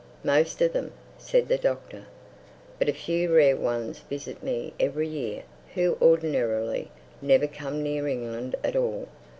"Most of them," said the Doctor. "But a few rare ones visit me every year who ordinarily never come near England at all.